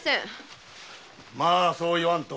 まそう言わんと。